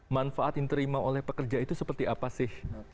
manfaat yang diterima oleh pekerja itu seperti apa sih